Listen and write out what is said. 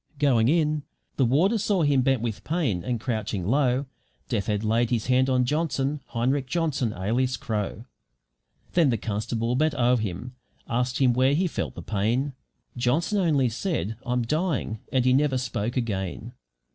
Going in, the warder saw him bent with pain and crouching low Death had laid his hand on Johnson, Heinrich Johnson, alias Crow. Then the constable bent o'er him asked him where he felt the pain. Johnson only said, "I'm dying" and he never spoke again.